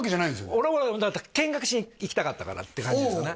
俺はもうだって見学しに行きたかったからって感じですね